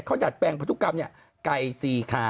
เขาอยากแปลงปฏุกรรมนี่ไก่๔คา